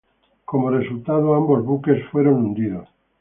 Como resultado, ambos buques fueron hundidos.